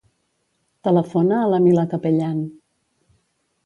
Telefona a la Mila Capellan.